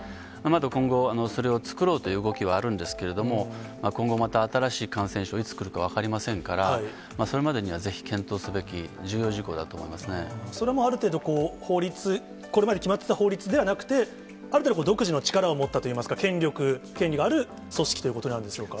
今後、それを作ろうという動きはあるんですけれども、今後また、新しい感染症、いつくるか分かりませんから、それまでにはぜひ検討すべき重要それもある程度、法律、これまで決まってた法律ではなくて、ある程度独自の力を持ったといいますか、権力、権利がある組織ということになるんでしょうか。